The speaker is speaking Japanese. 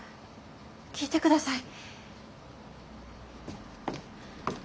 聴いてください。